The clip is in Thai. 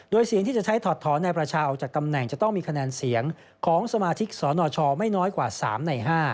โดยเสียงที่จะใช้ถอดถอนนายประชาออกจากตำแหน่งจะต้องมีคะแนนเสียงของสมาชิกสนชไม่น้อยกว่า๓ใน๕